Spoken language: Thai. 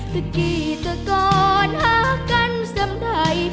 ตะกี้ตะกอนหากันสำไทย